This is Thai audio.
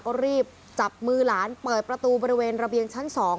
ก็รีบจับมือหลานเปิดประตูบริเวณระเบียงชั้น๒